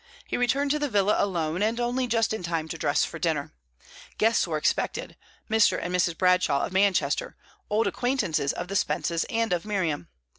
He returned to the villa alone, and only just in time to dress for dinner. Guests were expected, Mr. and Mrs. Bradshaw of Manchester, old acquaintances of the Spences and of Miriam.